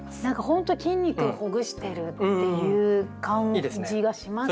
ほんとに筋肉をほぐしてるっていう感じがしますね。